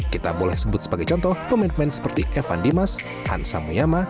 kita boleh sebut sebagai contoh pemain pemain seperti evan dimas hansa muyama